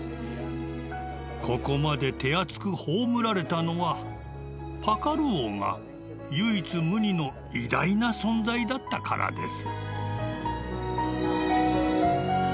ここまで手厚く葬られたのはパカル王が唯一無二の偉大な存在だったからです。